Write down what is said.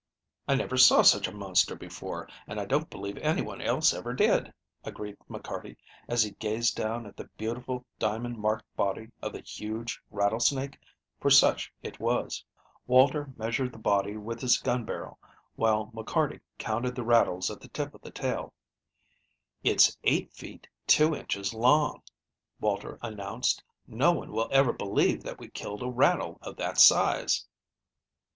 "I never saw such a monster before, and I don't believe anyone else ever did," agreed McCarty, as he gazed down at the beautiful, diamond marked body of the huge rattlesnake, for such it was. Walter measured the body with his gun barrel, while McCarty counted the rattles at the tip of the tail. "It's eight feet two inches long," Walter announced. "No one will ever believe that we killed a rattle of that size."